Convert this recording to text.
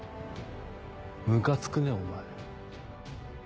ムカつくねお前。